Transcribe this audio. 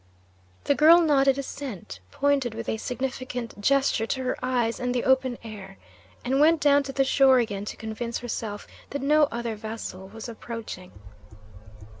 The girl nodded assent, pointed with a significant gesture to her eyes and the open air, and went down to the shore again to convince herself that no other vessel was approaching.